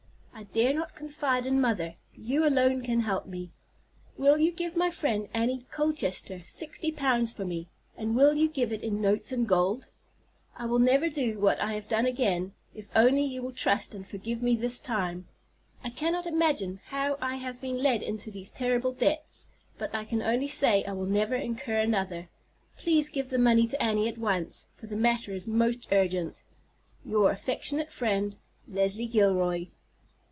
I dare not confide in mother; you alone can help me. Will you give my friend, Annie Colchester, sixty pounds for me, and will you give it in notes and gold? I will never do what I have done again if only you will trust and forgive me this time. I cannot imagine how I have been led into these terrible debts; but I can only say I will never incur another. Please give the money to Annie at once, for the matter is most urgent. "Your affectionate friend, "Leslie Gilroy."